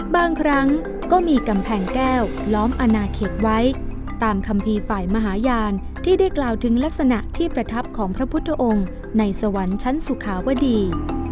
บางครั้งก็มีกำแพงแก้วล้อมอนาเขตไว้ตามคัมภีร์ฝ่ายมหาญาณที่ได้กล่าวถึงลักษณะที่ประทับของพระพุทธองค์ในสวรรค์ชั้นสุขาวดี